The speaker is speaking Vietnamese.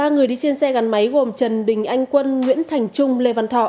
ba người đi trên xe gắn máy gồm trần đình anh quân nguyễn thành trung lê văn thọ